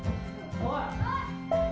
おい！